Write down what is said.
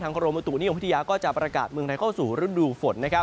กรมบุตุนิยมวิทยาก็จะประกาศเมืองไทยเข้าสู่ฤดูฝน